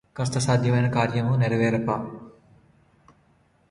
కష్టసాధ్యమైన కార్యమ్ము నెరవేర్ప